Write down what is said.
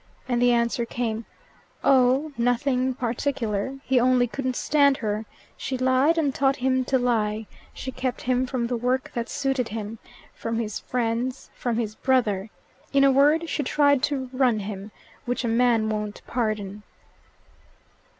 and the answer came, "Oh, nothing particular; he only couldn't stand her; she lied and taught him to lie; she kept him from the work that suited him, from his friends, from his brother, in a word, she tried to run him, which a man won't pardon."